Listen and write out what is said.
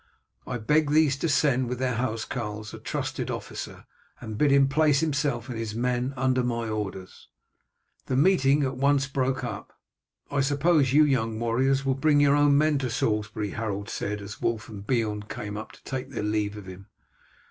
I beg these to send with their housecarls a trusted officer, and bid him place himself and his men under my orders." The meeting at once broke up. "I suppose you young warriors will bring your own men to Salisbury?" Harold said, as Wulf and Beorn came up to take their leave of him.